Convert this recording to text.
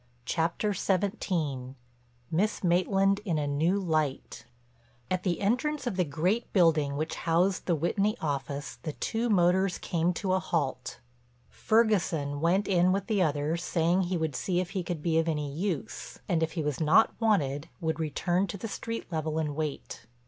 CHAPTER XVII—MISS MAITLAND IN A NEW LIGHT At the entrance of the great building which housed the Whitney office the two motors came to a halt. Ferguson went in with the others saying he would see if he could be of any use, and if he was not wanted would return to the street level and wait.